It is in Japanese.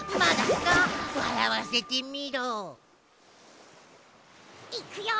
わらわせてみろ。いくよ。